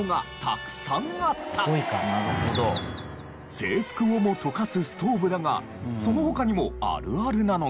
制服をも溶かすストーブだがその他にもあるあるなのが。